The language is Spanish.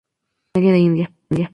Originaria de India.